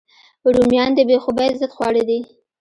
رومیان د بې خوبۍ ضد خواړه دي